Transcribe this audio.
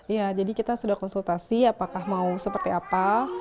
iya jadi kita sudah konsultasi apakah mau seperti apa